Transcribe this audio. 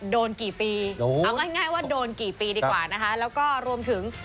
โดนกี่ปีเอาง่ายว่าโดนกี่ปีดีกว่านะคะแล้วก็รวมถึง